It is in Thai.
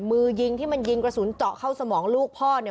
มือยิงที่มันยิงกระสุนเจาะเข้าสมองลูกพ่อเนี่ย